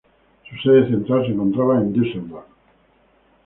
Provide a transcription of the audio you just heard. Su sede central se encontraba en Düsseldorf.